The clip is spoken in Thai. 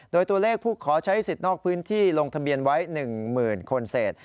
โดยตัวเลขผู้ขอใช้สิทธิ์นอกพื้นที่ลงทะเบียนไว้๑๐๐๐คนเศษ